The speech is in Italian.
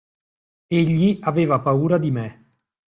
Egli aveva paura di me.